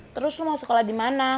terus lo mau sekolah di mana